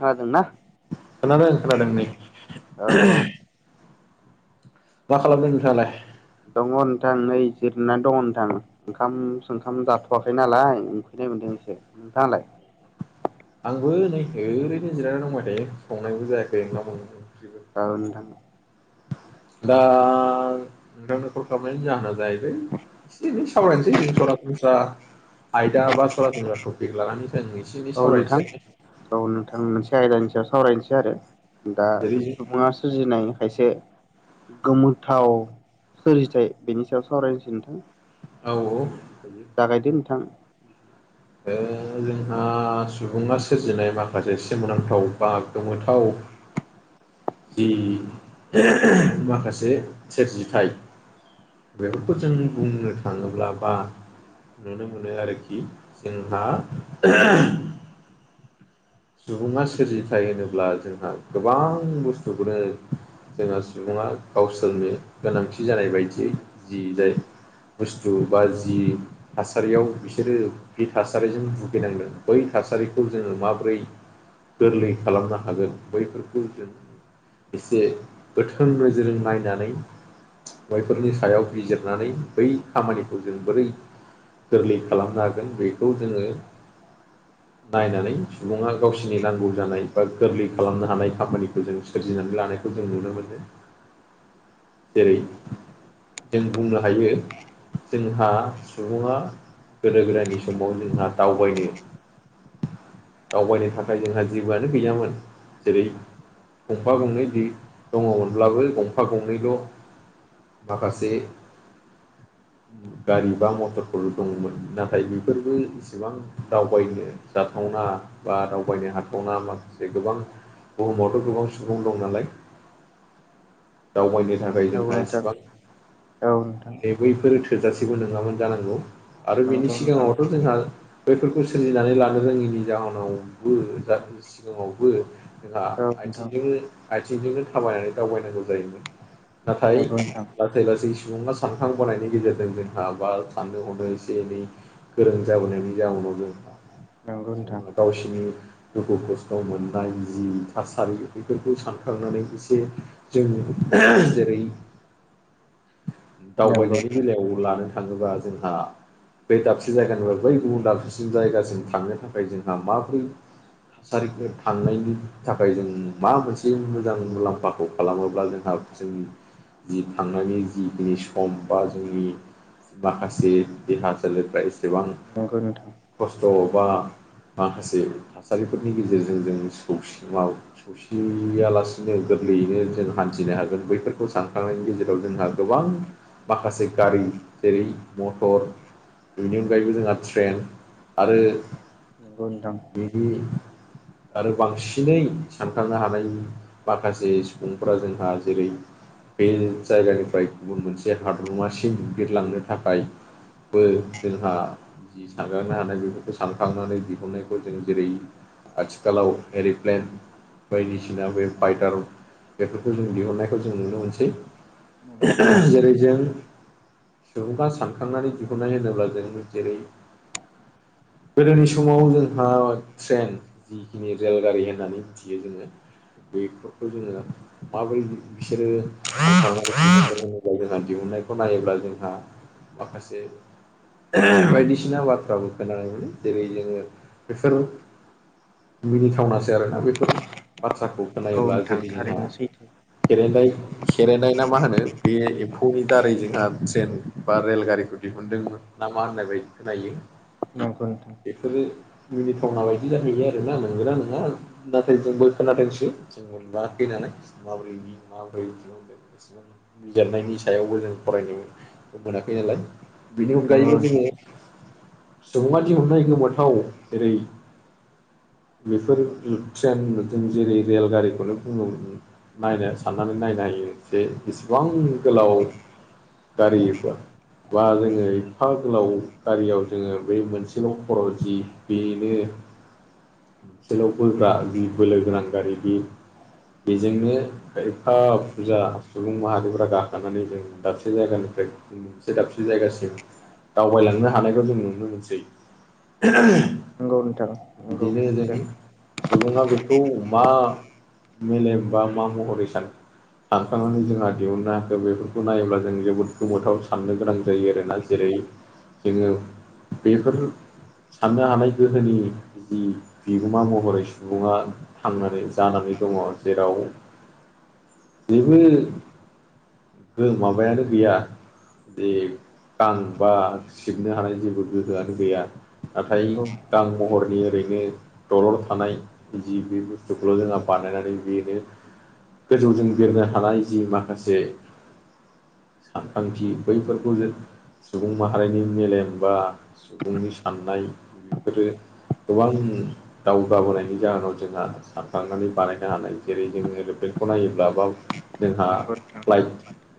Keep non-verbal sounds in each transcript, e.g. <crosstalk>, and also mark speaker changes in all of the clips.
Speaker 1: हादों ना
Speaker 2: खोनादों खोनादों नै
Speaker 1: औ औ
Speaker 2: <unintelligible> मा खालामदों नोंथाङालाय?
Speaker 1: दङ' नोंथां नै जिरना दङ' नोंथां। ओंखाम सोंखाम जाथ'वाखै नालाय उखैनाय मोनदों एसे नोंथाङालाय?
Speaker 2: आंबो नै ओरैनो जिरायनानै दांबाय थायो संनायबो जायाखै ओंखाम-ओंख्रिबो।
Speaker 1: आरो नोंथां
Speaker 2: दा नोंथां नो खल खालामनायान जाहोनाबो जाहैबाय एसे एनै सावरायनोसै जों सरासनस्रा आयदा बा सरासनस्रा टपिक लानानै एसे
Speaker 1: औ
Speaker 2: एसै
Speaker 1: नोंथां औ नोंथां मोनसे आयदानि सायाव सावरायनोसै आरो दा
Speaker 2: जेरै
Speaker 1: सुबुङा सोरजिनाय खायसे गोमोथाव सोरजिथाय बेनि सायाव सावरायनोसै नोंथां
Speaker 2: औ औ
Speaker 1: जागायदो नोंथां
Speaker 2: ओ जोंहा सुबुङा सोरजिनाय माखासे सोमोनांथाव बा गोमोथाव जि माखासे सोरजिथाय। बेफोरखौ जों बुंनो थाङोब्ला बा नुनो मोनो आरोखि जोंहा सुबुङा सोरजिथाय होनोब्ला जोंहा गोबां बुस्थुखौनो जोंहा सुबुङा गावसोरनि गोनांथि जानाय बायदियै जि जायो। बुस्थु बा जि थासारियाव बिसोरो बे थासारिजों भुगिनांदों बै थासारिखौ जोङो माबोरै गोरलै खालामनो हागोन बैफोरखौ जों एसे गोथों नोजोरजों नायनानै बैफोरनि सायाव बिजिरनानै बै खामानिखौ जों बोरै गोरलै खालामनो हागोन बेखौ जोङो नायनानै सुबुङा गावसोरनि नांगौ जानाय बा गोरलै खालामनो हानाय खामानिखौ जों सोरजिनानै लानायखौ जों नुनो मोनो। जेरै जों बुंनो हायो जोंहा सुबुङा गोदो गोदायनि समाव जोंहा दावबायनो दावबायनो थाखाय जोंहा जेबोआनो गैयामोन जेरै गंफा गंनै दै दङमोनब्लाबो गंफा गंनैल' माखासे गारि बा मथरफोरल' दङमोन नाथाय बेफोरबो इसेबां दावबायनो जाथावना बा गायनो हाथावना माखासे गोबां बुहुमावथ' गोबां सुबुं दं नालाय दावबायनो थाखाय
Speaker 1: औ
Speaker 2: जोंहा
Speaker 1: नोंथां
Speaker 2: इसिबां
Speaker 1: औ नोंथां।
Speaker 2: माने बैफोर थोजासेबो नङामोन जानांगौ आरो बिनि
Speaker 1: नंगौ नोंथां
Speaker 2: सिगाङावथ' जोंहा बैफोरखौ सोरजिनानै लानो रोङिनि जाहोनाव उम जाहा सिगाङावबो जोंहा
Speaker 1: औ नोंथां
Speaker 2: आथिंजोंनो आथिंजोंनो थाबायनानै दावबायनांगौ जायोमोन नाथाय लासै लासै सुबुङा सानखांबोनायनि गेजेरजों जोंहा बा साननो हनो एसे एनै गोरों जाबोनायनि जाउनावनो
Speaker 1: नंगौ नोंथां
Speaker 2: गावसिनि दुखु खस्थ' मोननाय जि थासारि बेफोरखौ सानखांनानै एसे जों जेरै
Speaker 1: नंगौ
Speaker 2: दावबायनायनि
Speaker 1: नोंथां
Speaker 2: बेलायाव लानो थाङोबा जोंहा बै दाबसे जायगानिफ्राय बै गुबुन दाबसे जायगासिम थांनो थाखाय जोंहा माबोरै जायफोर थांनायनि थाखाय जों माबा मोनसे मोजां मुलाम्फाखौ खालामोब्ला जोंहा जों जि थांनायनि जिखिनि सम बा जोंनि माखासे देहा सोलेरफ्रा एसेबां
Speaker 1: नंगौ नोंथां।
Speaker 2: खस्थ' बा माखासे थासारिफोरनि गेजेरजों जों सौसिमाव ससियालासिनो गोरलैयैनो जों हान्थिनो हागोन बैफोरखौ सानखांनायनि गेजेराव जोंहा गोबां माखासे गारि जेरै मटर बेनि अनगायैबो जोंहा ट्रेन आरो
Speaker 1: औ नोंथां।
Speaker 2: बि आरो बांसिनै सानखांनो हानायनि माखासे सुबुंफोरा जोंहा जेरै बे जायगानिफ्राय गुबुन मोनसे हादरमासिम दैदेनलांनो थाखाय जोंहा जि सानारनो हानाय बेफोरखौ सानखांनानै दिहुननायखौ जों जेरै आथिखालाव एर'प्लेन बायदिसिना बे बायदार बेफोरखौ जों दिहुननायखौ जों नुनो मोनसै।
Speaker 1: नंगौ
Speaker 2: जेरै
Speaker 1: नोंथां
Speaker 2: जों सुबुंङा सानखांनानै दिहुननाय होनोब्ला जों जेरै गोदोनि समाव जोंहा ट्रेन जिखिनि रेलगारि होननानै मिथियो जोङो बेफोरखौ जोङो माबोरै बिसोरो सानखांनाय दिहुनदों होनब्ला जोंहा दिहुननायखौ नायोब्ला जोंहा माखासे बायदिसिना बाथ्राबो खोनानाय मोनो जेरै जोङो बेफोर मिनिथावनासै आरोना बेफोर बाथ्राखौ
Speaker 1: औ
Speaker 2: खोनायोब्ला
Speaker 1: नोंथां
Speaker 2: जेरै जोंहा
Speaker 1: थारैनो सैथो
Speaker 2: खेरेनदाय खेरेनदाय ना मा होनो बे एम्फौनि दारै जोंहा ट्रेन बा रेलगारिखौ दिहुनदोंमोन नामा होननाय बायदि खोनायो
Speaker 1: नोंगौ नोंथां।
Speaker 2: बेफोरो मिनिथावना बायदि जाहैयो आरोना मोनगोना नङा नाथाय जोंबो खोनादोंसो <unintelligible> नुवाखै नालाय माबोरै माबोरै बि बिजिरनायनि सायावबो जों फरायनो मोनाखै नालाय बेनि
Speaker 1: नंगौ
Speaker 2: अनगायैबो
Speaker 1: नोंथां
Speaker 2: जोङो सुबङा दिहुननाय गोमोथाव जेरै बेफोर ट्रेन जों जेरै रेलगारिखौनो बुङो नायनो साननानै नायनो हायो जे जेसेबां गोलाव गारियोबा बा जोङो एफा गोलाव गारियाव जोङो बेै मोनसेल' खरा जि बेनो सोलाव बोग्रा जि बोलो गोनां गारि बि बेजोंनो एफा फुजा सुबुं माहारिफोरा गाखोनानै जों दाबसे जायगानिफ्राय मोनसे दाबसे जायगासिम दावबायलांनो हानायखौ जों नुनो मोनसै
Speaker 1: नंगौ नोंथां नंगौ
Speaker 2: बिदिनो
Speaker 1: जाय
Speaker 2: जों सुबुङा बेखौ मा मेलेम बा मा महरै सान सानखांनानै जोंहा दिहुननो हाखो बेफोरखौ नायोब्ला जों जोबोद गोमोथाव साननो गोनां जायो आरोना जेरै जोङो बेफोर साननो हानाय गोहोनि बिदि बिगोमा महरै सुबुङा थांनानै जानानै दङ जेराव बेबो जों माबायानो गैया बे गांबा सिबनो हानाय जेबो गोहोआनो गैया। नाथाय
Speaker 1: नंगौ
Speaker 2: दाम बहर बे ओरैनो दरर थानाय जि बे बुस्थुखौल' जोंहा बानायनानै बेनो गोजौजों बेरनो हानाय जि माखासे सानखांथि बैफोरखौ जों सुबुं माहारिनि मेलेम बा सुबुंनि साननाय बेफोरो गोबां दावगाबोनायनि जाहोनाव जोंहा सानखांनानै बानायनो हानाय जेरै जोङो एरोप्लेनखौ नायोब्ला बा जोंहा
Speaker 1: नंगौ नोंथां
Speaker 2: फ्लाइट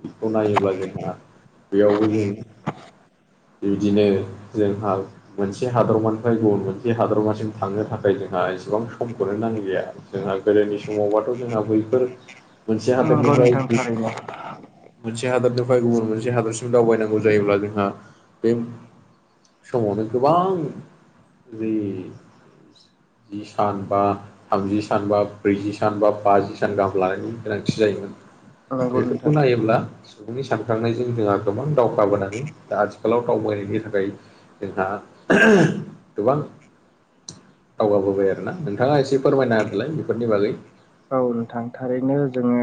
Speaker 2: बेखौ नायोब्ला जोंहा बेयावबो जों बिबदिनो जोंहा मोनसे हादरमानिफ्राय गुबुन मोनसे हादरमासिम थांनो थाखाय जोंहा एसेबां समखौनो नांलिया। जोंहा गोदोनि समावबाथ' जोंहा बैफोर मोनसे
Speaker 1: नंगौ
Speaker 2: हादरनिफ्राय
Speaker 1: नोंथां थारैनो
Speaker 2: मोनसे हादरनिफ्राय गुबुन मोनसे हादरसिम दावबायनांगौ जायोब्ला जोंहा बे समावनो गोबां बे जि सान बा थामजि सान बा ब्रैजि सान बा बाजि सान गाहाम लानायनि गोनांथि जायोमोन।
Speaker 1: नंगौ
Speaker 2: बेफोरखौ
Speaker 1: नोंथां
Speaker 2: नायोब्ला सुबुंनि सानखांनायजों जोंहा गोबां दावगाबोनानै दा आथि आथिखालाव दावबायनायनि थाखाय जोंहा गोबां दावगाबोबाय आरोना नोंथाङा एसे फोरमायना होलाय बेफोरनि बागै
Speaker 1: औ नोंथां थारैनो जोङो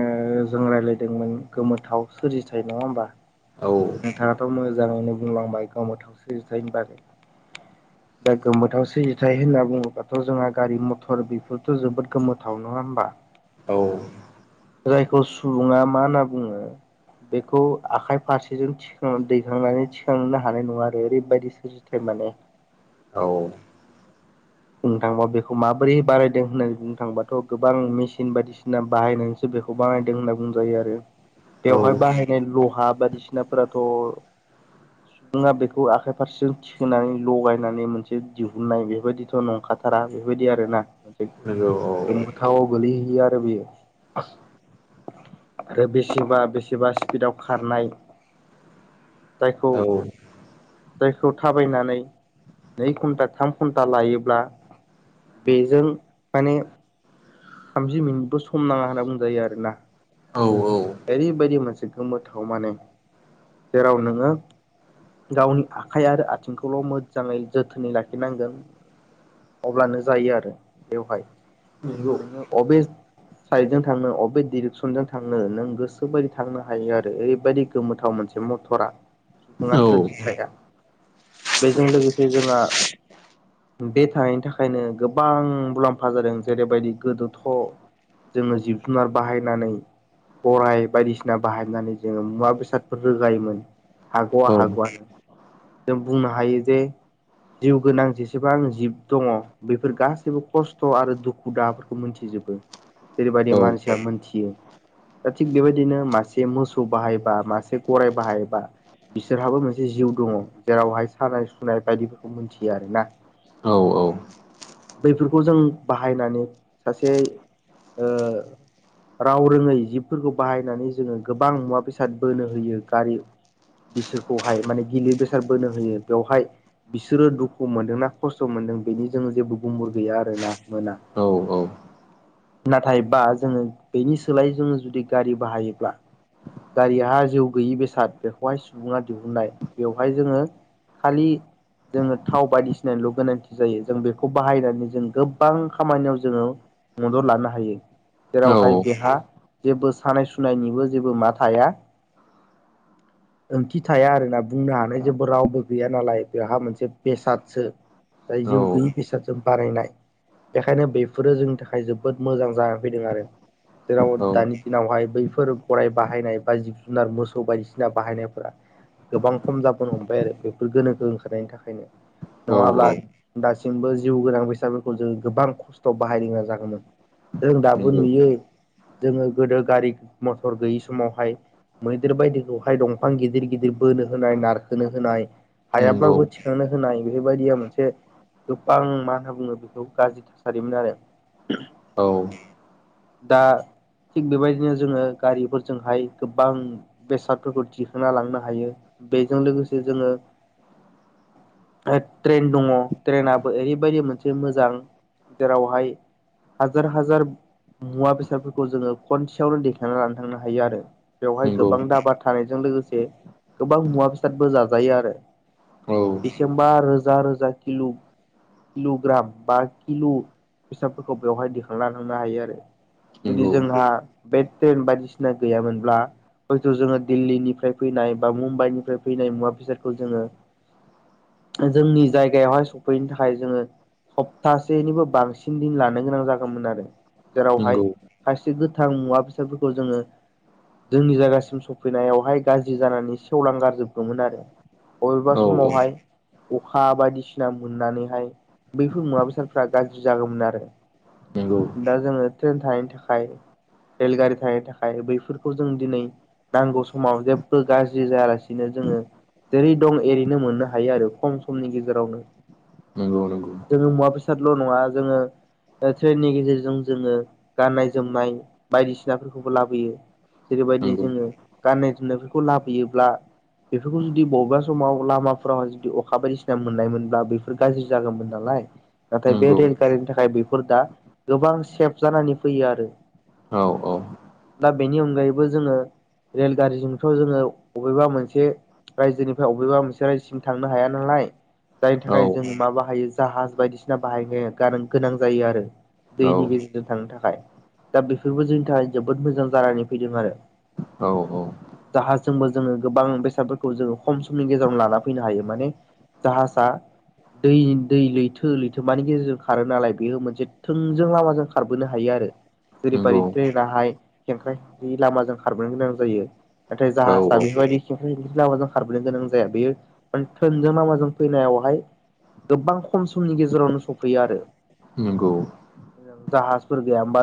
Speaker 1: जों रायज्लायदोंमोन गोमोथाव सोरजिथाय नङा होमबा?
Speaker 2: औ।
Speaker 1: नोंथाङाथ' मोजाङैनो बुंलांबाय गोमोथाव सोरजिथाय होनबा
Speaker 2: <inaudible>
Speaker 1: दा गोमोथावसो सोरजिथाइ होनना बुङोबाथ' जोंहा गारि मथर बेफोरथ' जोबोद गोमोथाव नङा होमबा?
Speaker 2: औ।
Speaker 1: जायखौ सुबुङा मा होनना बुङो बेखौ आखाइ फारसेजों थि थिखां दैखांनानै थिखांनो हानाय नङा आरो ओरैबायदि सोरजिथाय माने
Speaker 2: औ।
Speaker 1: बुंनो थांबा बेखौ माबोरै बारायदों होननानै बुंनो थांबाथ' गोबां मेसिन बायदिसिना बाहायनायनि बेखौ बानायदों होनना बुंजायो आरो।
Speaker 2: <inaudible>
Speaker 1: बेवहाय बाहायनाय लहा बायदिसिनाफोराथ' सुबुङा बेखौ आखाइ फारसेजों थिखोनानै लगायनानै मोनसे दिहुननाय बेफोरबायदि नंखाथारा बेफोरबायदि आरोना।
Speaker 2: नंगौ औ
Speaker 1: घाव गोलैहैयो आरो बेयो आरो बेसेबा बेसेबा स्पिडआव खारनाय जायखौ
Speaker 2: औ
Speaker 1: जायखौ थाबायनानै नै घन्टा थाम घन्टा लायो ब्ला बेजों माने थामजि मिनिटबो सम नाङा होनना बुंजायो आरोना।
Speaker 2: औ औ।
Speaker 1: ओरैबायदि मोनसे गोमोथाव माने जेराव नोङो गावनि आखाइ आरो आथिंखौल' मोजाङै जोथोनै लाखिनांगोन अब्लानो जायो आरो बेवहाय
Speaker 2: नंगौ
Speaker 1: नोङो अबे साइड जों थांनो अबे डिरेक्सनजों थांनो नों गोसोबायदि थांनो हायो आरो ओरैबायदि गोमोथाव मोनसे मथरा।
Speaker 2: <inaudible>
Speaker 1: सुबुङा सोरजिखाया बेजों लोगोसे जोंहा बे थानायनि थाखायनो गोबां मुलाम्फा जादों जेरैबायदि गोदोथ' जोङो जिब जुनार बाहायनानै गराइ बायदिसिना बाहायनानै जोङो मुवा बेसादफोर रोगायोमोन। हागौआ
Speaker 2: औ
Speaker 1: हागौआनो जों बुंनो हायो जे जिउ गोनां <unintelligible> गोबां जिब दङ'। बेफोर गासैबो खस्थ' आरो दुखु दाहाफोरखौ मोनथिजोबो। जेरैबायदि
Speaker 2: औ
Speaker 1: मानसिया मोनथियो दा थिग बेबायदिनो मासे मोसौ बाहायबा मासे गराय बाहायबा बिसोरहाबो मोनसे जिउ दङ जेरावहाय सानाय सुनाय बायदिफोरखौ मिथियो आरोना।
Speaker 2: औ औ।
Speaker 1: बैफोरखौ जों बाहायनानै सासे ओ राव रोङै जिबफोरखौ बाहायनानै जोङो गोबां मुवा बेसाद बोनो होयो गारि बिसोरखौहाय माने गिलिर बेसाद बोनो होयो बेवहाय बिसोरो दुखु मोनदोंना खस्थ' मोनदों बेनि जों जेबो गुमुर गैया आरोना मोना नाथाय बा जोङो बेनि सोलाय जोङो जुदि गारि बाहायोब्ला गारियाहा जिउ गैयि बेसाद बेखौहाय सुबुङा दिहुननाय बेवहाय जोङो। खालि जोङो थाव बायदिसिना सिनायनोल' गोनांथि जायो जों बेखौ बाहायनानै जों गोबां खामानियाव जोङो मदद लानो हायो
Speaker 2: औ
Speaker 1: जेरावहाय बेेहा जेबो सानाय सुनायनिबो जेबो मा थाया
Speaker 2: औ।
Speaker 1: ओंथि थाया आरोना बुंनो हानाय जेबो रावबो गैया नालाय बेवहा मोनसे बेसादसो जाय जिउ गैयि बेसादजों बारायनाय बेखायनो बेफोरो जोंनि थाखाय जोबोद मोजां जानानै फैदों आरो। जेराव
Speaker 2: औ
Speaker 1: दानि दिनावहाय बैफोर गराइ बाहायनाय बा जिब जुनार मोसौ बायदिसिना बाहायनायफोरा गोबां खम जाबोनो हमबाय आरो बेफोर गोनोखो ओंखारनायनि थाखायनो
Speaker 2: औ
Speaker 1: नङाब्ला
Speaker 2: औ
Speaker 1: दासिमबो जिउ गोनां बेैसाादफोरखौ जोङो गोबां खस्थ' बाहायनोगोनां जागौमोन। जों दाबो
Speaker 2: नंगौ
Speaker 1: नुयो जोङो गोदो गारि मथर गैयि समावहाय मैदेर बायदिखौहाय दंफां गिदिर गिदिर बोनो होनाय नारखोनो होनाय
Speaker 2: नंगौ
Speaker 1: हायाब्लााबो थिखांनो होनाय बेफोरबायदिया मोनसे गोबां मा होनना बुङो बेखौ गाज्रि थासारिमोन आरो
Speaker 2: औ
Speaker 1: दा थिग बेबायदिनो जोङो गारिफोरजोंहाय गोबां बेसादफोरखौ दिखोना लांनो हायो बेजों लोगोसे जोङो। ट्रेन दङ' ट्रेनाबो ओरैबायदि मोनसे मोजां जेरावहाय हाजार हाजार मुवा बेसादफोरखौ जोङो खनसेयावनो देखायनानै लानो थांनो हायो आरो बेवहाय
Speaker 2: नंगौ
Speaker 1: गोबां दाबा थानायजों लोगोसे गोबां मुवा बेसादबो जाजायो आरो।
Speaker 2: औ।
Speaker 1: बा रोजा रोजा किल' किल' ग्राम बा किल' बेसाबफोरखौ बेवहाय दिखांना होनांनो हायो आरो। जुदि
Speaker 2: नंगौ
Speaker 1: जोंहा बे ट्रेन बायदिसिना गैयामोनब्ला हयथ' जोङो दिल्लीनिफ्राय फैनाय बा मुम्बाइनिफ्राय फैनाय मुवा बेसादखौ जोङो जोंनि जायगायावहाय सफैनो थाखाय जोङो सप्तासेनिबो बांसिन दिन लानो गोनां जागौमोन आरो। जेरावहाय
Speaker 2: नंगौ
Speaker 1: खायसे गोथां मुवा बेसादफोरखौ जोङो। जोंनि जायगासिम सफैनायावहाय गाज्रि जानानै सेवलां गारजोबगौमोन आरो। बबेबा
Speaker 2: औ औ
Speaker 1: समावहाय अखा बायदिसिना मोननानैहाय बैफोर मुवा बेसादफ्रा गाज्रि जागौमोन आरो।
Speaker 2: नंगौ
Speaker 1: दा जोङो ट्रेन थानायनि थाखाय रेलगारि थानायनि थाखाय बैफोरखौ जों दिनै नांगौ समाव जेबो गाज्रि जायालासिनो जोङो जेरै दं एओरैनो मोननो हायो आरो। खम समनि गेजेरावनो
Speaker 2: नोंगौ नोंगौ
Speaker 1: जोङो मुवा बेसादल' नङा जोङो ट्रेननि गेजेरजों जोङो गाननाय जोमनाय बायदिसिनाफोरखौबो लाबोयो। जेरैबायदि
Speaker 2: नंगौ
Speaker 1: जोङो गाननाय जोमनायफोरखौ लाबोयोब्ला बेफोरखौ जुदि बबेबा समाव लामाफोरावहाय जुदि अखा बायदिसिना मोननायमोनब्ला बेफोर गाज्रि जागौमोन नालाय नाथाय बे
Speaker 2: नंगौ
Speaker 1: रेलगारिनि थाखाय बेफोर दा गोबां सेफ जानानै फैयो आरो।
Speaker 2: औ औ
Speaker 1: दा बेनि अनगायैबो जोङो। रेलगारिजोंफ्राव जोङो अबेबा मोनसे रायजोनिफ्राय अबेबा मोनसे रायजोसिम थांनो हाया नालाय जायनि थाखाय जों मा बाहायो जाहाज बायदिसिना बाहायनायनो गोनां जायो आरो।
Speaker 2: नंगौ
Speaker 1: दैनि गेजेरजों थांनो थाखाय दा बेफोरबो जोंनि थाखाय जोबोद मोजां जानानै फैदों आरो
Speaker 2: औ औ
Speaker 1: जाहाजोंबो जोङो गोबां बेसादफोरखौ जोङो खम समनि गेजेरावनो लाना फैनो हायो माने जाहासा दै दै लैथो लैथो मानि गेजेरजों खारो नालाय बेह मोनसे थोंजों लामाजों खारबोनो हायो आरो जेरैबायि
Speaker 2: नंगौ
Speaker 1: ट्रेनहाय खेंख्राेंख्रि लामाजों खारबोनो गोनां जायो। नाथाय
Speaker 2: औ
Speaker 1: जाहाजा
Speaker 2: औ
Speaker 1: बेफोरबायदि खेंख्राय खेंख्रि लामाजो खारबोनो गोनां जाया बेयो थों जों लामाजों फैनायावहाय गोबां खम समनि गेजेरावनो सफैयो आरो
Speaker 2: नंगौ।
Speaker 1: जाहाजफोर गैयामबा जों